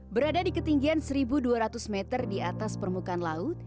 berada di ketinggian satu dua ratus meter di atas permukaan laut